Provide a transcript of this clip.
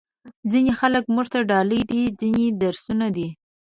ځینې خلک موږ ته ډالۍ دي، ځینې درسونه دي.